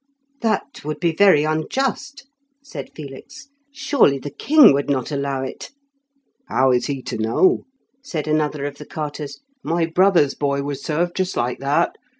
"That would be very unjust," said Felix. "Surely the king would not allow it?" "How is he to know?" said another of the carters. "My brother's boy was served just like that.